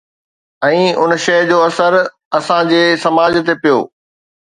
۽ ان شيءِ جو اثر اسان جي سماج تي پيو